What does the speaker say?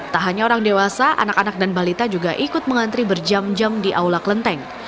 tak hanya orang dewasa anak anak dan balita juga ikut mengantri berjam jam di aula kelenteng